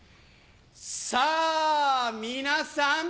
さぁ皆さん！